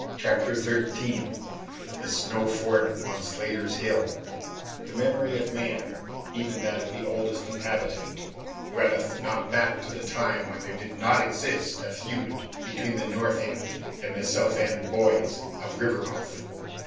Chapter Thirteen The Snow Fort on Slatter's Hill The memory of man, even that of the Oldest Inhabitant, runneth not back to the time when there did not exist a feud between the North End and the South End boys of Rivermouth.